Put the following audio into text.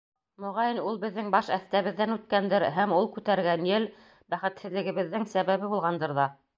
Моғайын, ул беҙҙең баш әҫтәбеҙҙән үткәндер һәм ул күтәргән ел бәхетһеҙлегебеҙҙең сәбәбе булғандыр ҙа.